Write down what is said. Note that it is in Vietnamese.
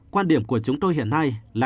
quan điểm của chúng tôi hiện nay là